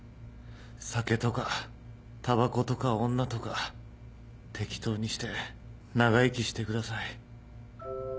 酒とかタバコとか女とか適当にして長生きしてください。